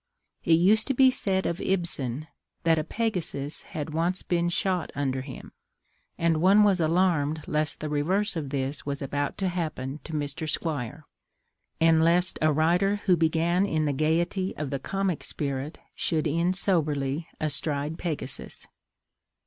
It used to be said of Ibsen that a Pegasus had once been shot under him, and one was alarmed lest the reverse of this was about to happen to Mr. Squire, and lest a writer who began in the gaiety of the comic spirit should end soberly astride Pegasus.